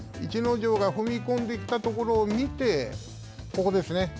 逸ノ城が踏み込んできたところを見てここですね。